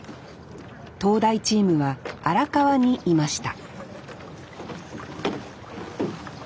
東大チームは荒川にいました